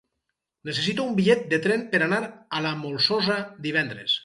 Necessito un bitllet de tren per anar a la Molsosa divendres.